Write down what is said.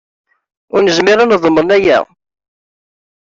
Ur nezmir ad neḍmen aya.